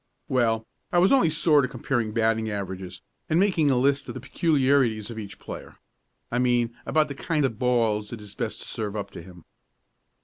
"Well, I was only sort of comparing batting averages, and making a list of the peculiarities of each player I mean about the kind of balls it is best to serve up to him."